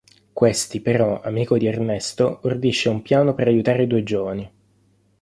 Questi però, amico di Ernesto, ordisce un piano per aiutare i due giovani.